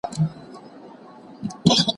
د زده کوونکو ترمنځ سیالي باید سالمه وي.